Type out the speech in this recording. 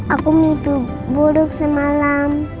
aku mimpi buruk semalam